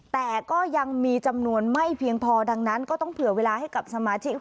แต่ก็ยังมีจำนวนไม่เพียงพอดังนั้นก็ต้องเผื่อเวลาให้กับสมาชิก